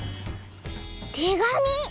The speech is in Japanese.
てがみ！